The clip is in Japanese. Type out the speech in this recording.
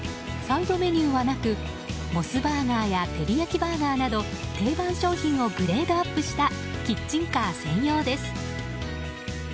サイドメニューはなくモスバーガーやテリヤキバーガーなど定番商品をグレードアップしたキッチンカー専用です。